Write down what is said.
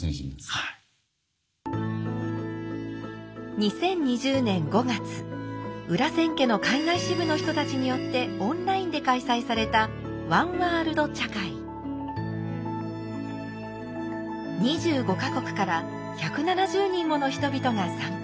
２０２０年５月裏千家の海外支部の人たちによってオンラインで開催された２５か国から１７０人もの人々が参加。